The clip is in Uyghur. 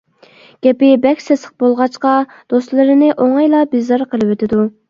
گېپى بەك سېسىق بولغاچقا، دوستلىرىنى ئوڭايلا بىزار قىلىۋېتىدۇ.